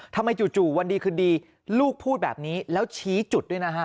จู่วันดีคืนดีลูกพูดแบบนี้แล้วชี้จุดด้วยนะฮะ